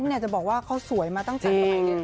เบ้นจะบอกว่าเขาสวยมาตั้งแต่ตอนไหน